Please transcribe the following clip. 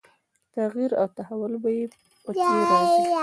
تغییر او تحول به په کې راځي.